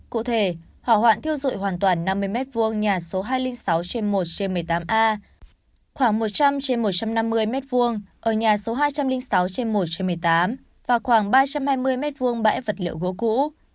cụ thể hỏa hoạn thiêu dụi hoàn toàn năm mươi m hai nhà số hai trăm linh sáu trên một trên một mươi tám a khoảng một trăm linh trên một trăm năm mươi m hai ở nhà số hai trăm linh sáu trên một trên một mươi tám và khoảng ba trăm hai mươi m hai bãi vật liệu gỗ cũ